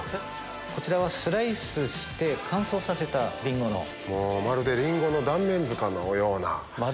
・こちらはスライスして乾燥させたリンゴ・まるでリンゴの断面図かのような。